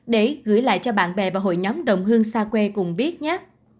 để gửi lại cho bạn bè và hội nhóm đồng hương xa quê cùng biết nhép